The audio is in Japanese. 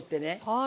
はい。